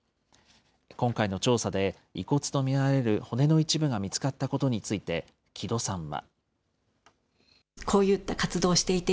今回の調査で、遺骨と見られる骨の一部が見つかったことについて、城戸さんは。